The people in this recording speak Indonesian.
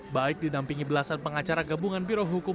baik didampingi belasan pengacara gabungan birohukum